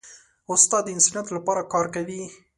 استاد د انسانیت لپاره کار کوي.